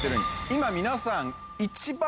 今皆さん。